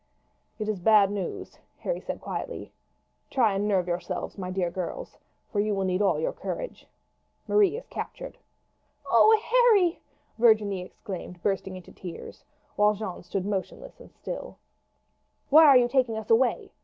"It is bad news," Harry said quietly. "Try and nerve yourselves, my dear girls, for you will need all your courage. Marie is captured." "Oh, Harry!" Virginie exclaimed, bursting into tears, while Jeanne stood still and motionless. "Why are you taking us away?"